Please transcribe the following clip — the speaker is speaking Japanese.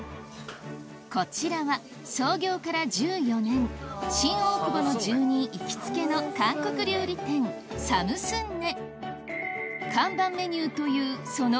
こちらは創業から１４年新大久保の住人行きつけの韓国料理店サムスンネ